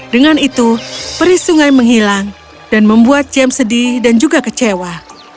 dengan itu peri sungai menghilang dan membuat james sedih dan juga kecewa